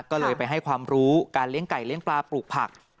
ก็เลยไปให้ความรู้การเลี้ยงไก่เลี้ยงปลาปลูกผัก